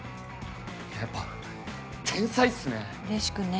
やっぱ天才っすね